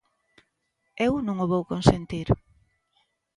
Eu non o vou consentir.